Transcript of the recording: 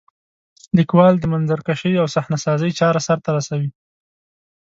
لیکوال د منظرکشۍ او صحنه سازۍ چاره سرته رسوي.